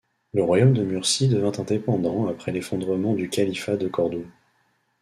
Le royaume de Murcie devint indépendant après l'effondrement du califat de Cordoue.